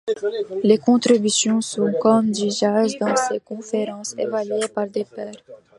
Les contributions sont, comme d'usage dans ces conférences, évaluées par des pairs.